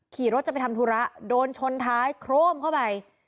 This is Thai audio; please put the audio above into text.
ขี่รถจะไปทำธุระโดนชนท้ายโครมเข้าไป